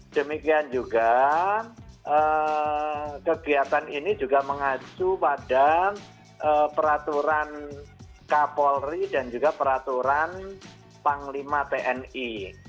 demikian juga kegiatan ini juga mengacu pada peraturan kapolri dan juga peraturan panglima tni